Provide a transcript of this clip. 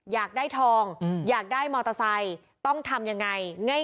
อยากได้ทองอยากได้มอเตอร์ไซค์ต้องทำยังไงง่าย